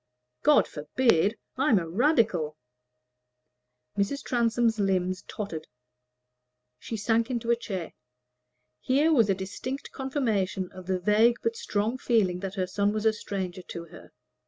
"God forbid! I'm a Radical." Mrs. Transome's limbs tottered; she sank into a chair. Here was a distinct confirmation of the vague but strong feeling that her son was a stranger to her.